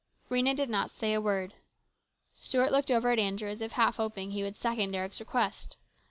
Rhena did not say a word. Stuart looked over at Andrew as if half hoping he would second Eric's request.